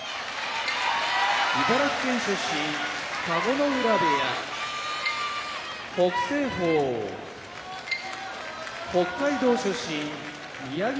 茨城県出身田子ノ浦部屋北青鵬北海道出身宮城野部屋